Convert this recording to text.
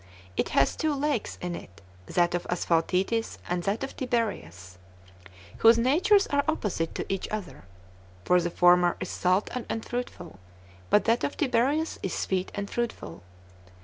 It hath two lakes in it, that of Asphaltites, and that of Tiberias, whose natures are opposite to each other; for the former is salt and unfruitful, but that of Tiberias is sweet and fruitful.